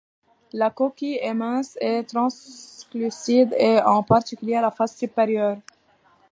La coquille est mince et translucide, en particulier la face supérieure.